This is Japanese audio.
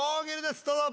どうぞ。